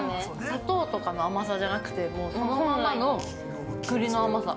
◆砂糖とかの甘さじゃなくて、そのままの栗の甘さ。